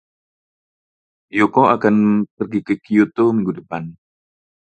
Yoko akan pergi ke Kyoto minggu depan.